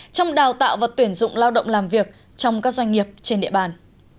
trong đào tạo và tuyển dụng lao động làm việc trong các doanh nghiệp trên địa bàn